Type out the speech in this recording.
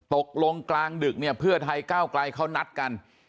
ตกลงกลางดึกเพื่อไทยก้าวกลายเขานัดกัน